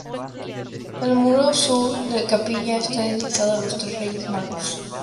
El muro sur de la capilla está dedicado a los tres reyes magos.